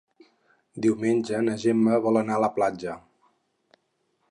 Diumenge na Gemma vol anar a la platja.